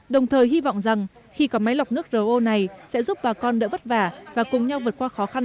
đồng thời hy vọng rằng khi có máy lọc nước ro này sẽ giúp bà con đỡ vất vả và cùng nhau vượt qua khó khăn